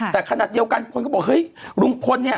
แต่ขนาดเดียวกันคนก็บอก